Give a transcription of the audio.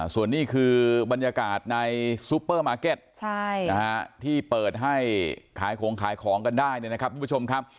ส่วนนี่คือบรรยากาศในซูเปอร์มาร์เก็ตที่เปิดให้ขายของกันได้นะครับ